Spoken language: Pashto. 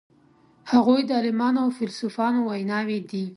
هغوی د عالمانو او فیلسوفانو ویناوی دي.